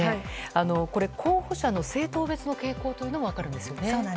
候補者の政党別の傾向も分かるんですよね。